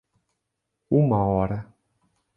Uma hora.